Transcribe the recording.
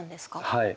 はい。